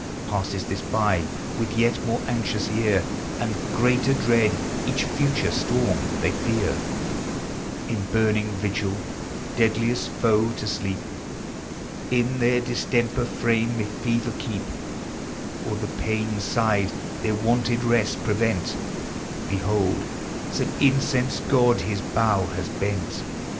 Passes this by, with yet more anxious ear And greater dread, each future storm they fear; In burning vigil, deadliest foe to sleep, In their distempered frame if fever keep, Or the pained side their wonted rest prevent, Behold some incensed god his bow has bent